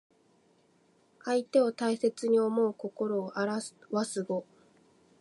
相手を大切に思う心をあらわす語。